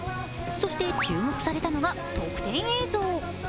そして注目されたのが、特典映像。